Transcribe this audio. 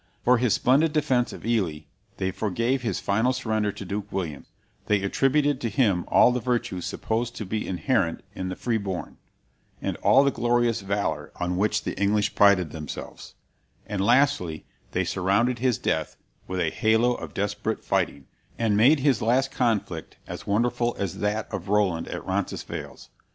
For his splendid defence of Ely they forgave his final surrender to Duke William; they attributed to him all the virtues supposed to be inherent in the free born, and all the glorious valor on which the English prided themselves; and, lastly, they surrounded his death with a halo of desperate fighting, and made his last conflict as wonderful as that of Roland at Roncesvalles.